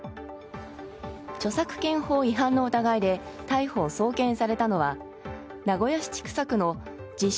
著作権法違反の疑いで逮捕・送検されたのは名古屋市千種区の自称